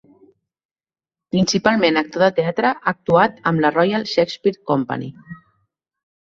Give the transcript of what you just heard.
Principalment actor de teatre, ha actuat amb la Royal Shakespeare Company.